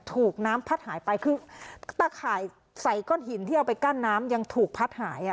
ถูกน้ำพัดหายไปคือตะข่ายใส่ก้อนหินที่เอาไปกั้นน้ำยังถูกพัดหายอ่ะ